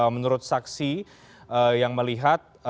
menurut saksi yang melihat